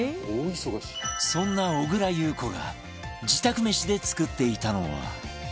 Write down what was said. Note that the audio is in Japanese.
そんな小倉優子が自宅めしで作っていたのは